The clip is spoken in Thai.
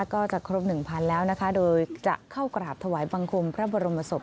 ก็จะครบ๑๐๐๐แล้วนะคะโดยจะเข้ากราบถวายบังคมพระบรมศพ